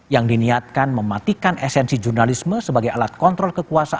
yang diniatkan mematikan esensi jurnalisme sebagai alat kontrol kekuasaan